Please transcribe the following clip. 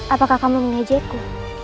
apakah kamu mengajakku